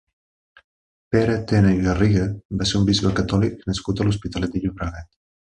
Pere Tena i Garriga va ser un bisbe catòlic nascut a l'Hospitalet de Llobregat.